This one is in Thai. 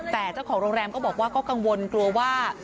แต่เจ้าของโรงแรมก็บอกว่าก็กังวลกลัวว่า